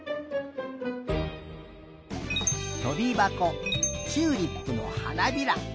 とびばこチューリップのはなびら